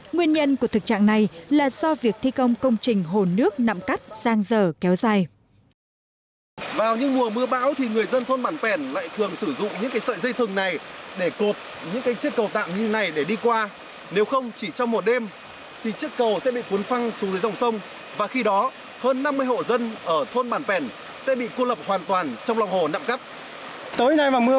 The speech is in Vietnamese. nguyên nhân của thực trạng này là do việc thi công công trình hồ nước nặm cắt sang giờ kéo dài